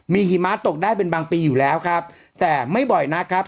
มีหิมะตกได้เป็นบางปีอยู่แล้วครับแต่ไม่บ่อยนักครับ